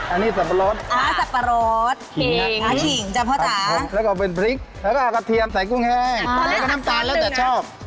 อันนี้สับปะรดขาขิ่งจำพ่อจ๊ะแล้วก็เป็นพริกแล้วก็เอากระเทียมใส่กุ้งแห้งแล้วก็น้ำตาลแล้วแต่ชอบ